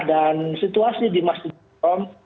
dan situasi di masjid al qur'an